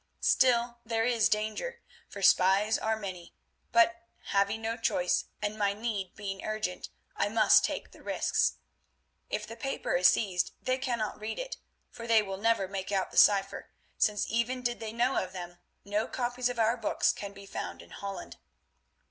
Still, there is danger, for spies are many, but having no choice, and my need being urgent, I must take the risks. If the paper is seized they cannot read it, for they will never make out the cypher, since, even did they know of them, no copies of our books can be found in Holland.